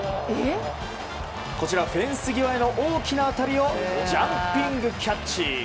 フェンス際への大きな当たりをジャンピングキャッチ！